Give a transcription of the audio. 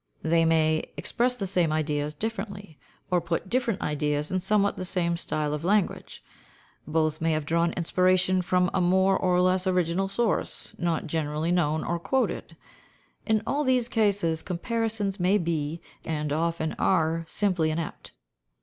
They may express the same ideas differently, or put different ideas in somewhat the same style of language: both may have drawn inspiration from a more or less original source, not generally known or quoted in all these cases comparisons may be, and often are, simply inept.